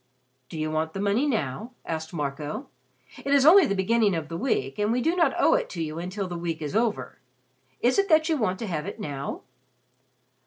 "Do you want the money now?" asked Marco. "It is only the beginning of the week and we do not owe it to you until the week is over. Is it that you want to have it now?"